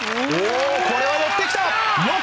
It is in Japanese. これは寄ってきた！